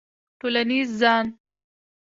ټولنیز ځان